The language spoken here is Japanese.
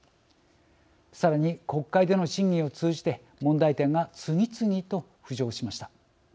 さらに、国会での審議を通じて問題点が次々と浮上しました。